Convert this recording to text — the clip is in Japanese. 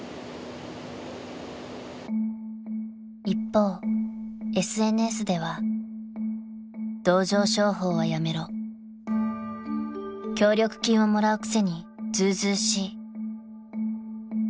［一方ＳＮＳでは「同情商法はやめろ」「協力金をもらうくせにずうずうしい」